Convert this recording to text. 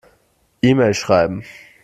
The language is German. E-Mail schreiben.